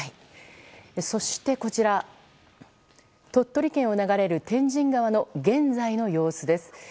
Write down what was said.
そして、こちら鳥取県を流れる天神川の現在の様子です。